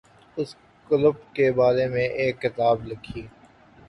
اس club کے بارے میں ایک کتاب لکھی